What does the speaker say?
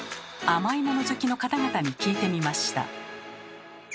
甘いもの好きの方々に聞いてみました。